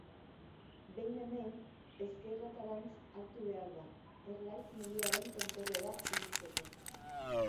Behin hemen, ezkerretarantz hartu behar da, Erlaitz mendiaren tontorrera iristeko.